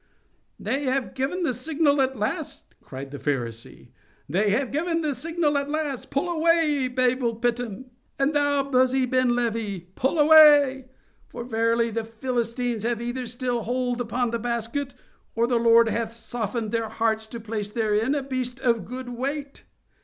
"They have given the signal at last!" cried the Pharisee—"they have given the signal at last! pull away, Abel Phittim!—and thou, Buzi Ben Levi, pull away!—for verily the Philistines have either still hold upon the basket, or the Lord hath softened their hearts to place therein a beast of good weight!"